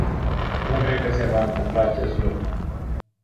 Nu cred că se va întâmpla acest lucru.